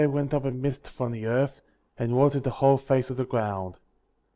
But there went up a mist from the earth, and watered the whole face of the ground.